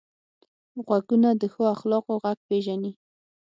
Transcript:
غوږونه د ښو اخلاقو غږ پېژني